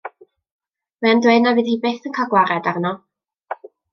Mae o'n dweud na fydd hi byth yn cael gwared arno.